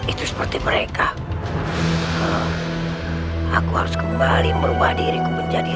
itu seperti mereka aku harus kembali merubah diriku menjadi